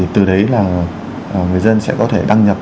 từ đấy là người dân sẽ có thể đăng nhập